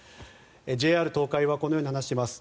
ＪＲ東海はこのように話しています。